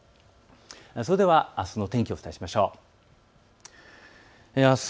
それでは、あすの天気をお伝えします。